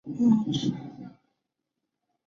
犯人还需要戴上竖长圆锥形帽子。